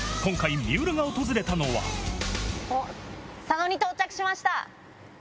今回、おっ、佐野に到着しました。